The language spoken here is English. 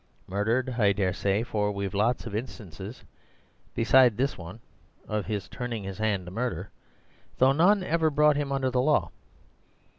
Murdered, I dare say; for we've lots of instances, besides this one, of his turning his hand to murder, though none ever brought him under the law.